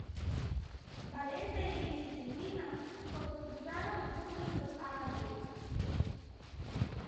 Valente y Cecina cruzaron juntos los Alpes.